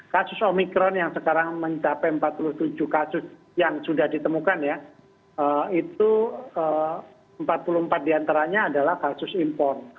kasus omikron yang sekarang mencapai empat puluh tujuh kasus yang sudah ditemukan ya itu empat puluh empat diantaranya adalah kasus impor